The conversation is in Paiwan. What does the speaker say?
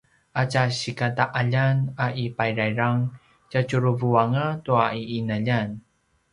a tja sikata’aljan a i payrayrang tjatjuruvuanga tua i ’inaljan